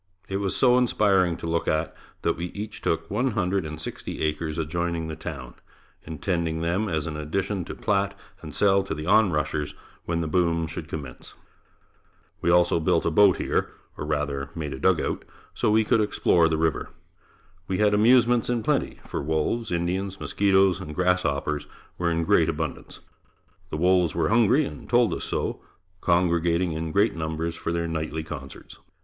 It was so inspiring to look at, that we each took one hundred and sixty acres adjoining the town, intending them as an addition to plat and sell to the on rushers when the boom should commence. We also built a boat here, or rather made a dugout, so we could explore the river. We had amusements in plenty, for wolves, Indians, mosquitoes and grasshoppers were in great abundance. The wolves were hungry and told us so, congregating in great numbers for their nightly concerts.